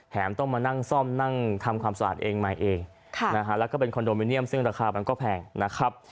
ต้องมานั่งซ่อมนั่งทำความสะอาดเองใหม่เองนะฮะแล้วก็เป็นคอนโดมิเนียมซึ่งราคามันก็แพงนะครับ